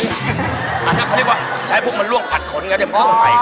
อาจจะเขาเรียกว่าใช้ผมเป็นล่วงผัดขนคือบริสุทธิ์ของใบ